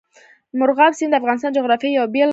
مورغاب سیند د افغانستان د جغرافیې یوه بېلګه ده.